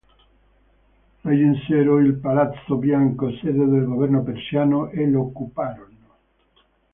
Raggiunsero il Palazzo Bianco, sede del governo persiano, e lo occuparono.